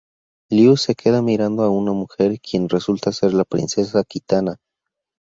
Liu se queda mirando a una mujer quien resulta ser la princesa Kitana.